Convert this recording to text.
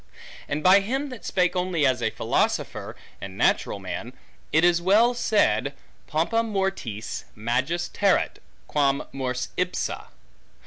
And by him that spake only as a philosopher, and natural man, it was well said, Pompa mortis magis terret, quam mors ipsa.